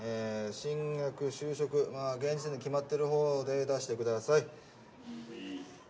進学就職現時点で決まってるほうで出してください。